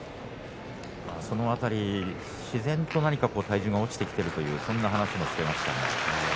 その辺り自然と何か体重が落ちてきているというそんな話をしていました。